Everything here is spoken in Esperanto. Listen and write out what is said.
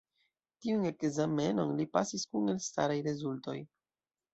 Tiun ekzamenon li pasis kun elstaraj rezultoj.